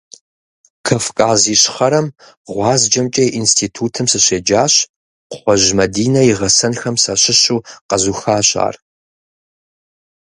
Кавказ Ищхъэрэм ГъуазджэмкӀэ и институтым сыщеджащ, Кхъуэжь Мадинэ и гъэсэнхэм сащыщу къэзухащ ар.